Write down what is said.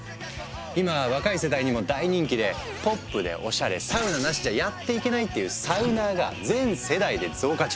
今若い世代にも大人気で「ポップでおしゃれ」「サウナなしじゃやっていけない」っていう「サウナー」が全世代で増加中。